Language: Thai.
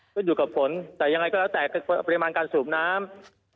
ก็อยู่กับฝนแต่ยังไงก็แล้วแต่ปริมาณการสูบน้ำ